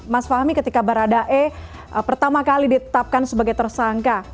mas fahmi ketika baradae pertama kali ditetapkan sebagai tersangka